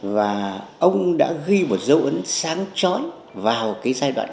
và ông đã ghi một dấu ấn sáng vào cái giai đoạn